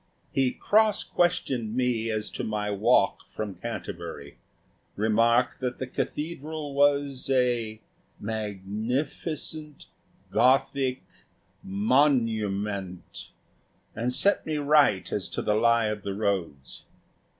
He cross questioned me as to my walk from Canterbury; remarked that the cathedral was a magnificent Gothic Monument and set me right as to the lie of the roads.